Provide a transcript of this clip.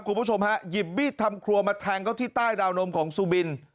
คุณผู้ชมฮะหยิบมีดทำครัวมาแทงเขาที่ใต้ดาวนมของซูบิน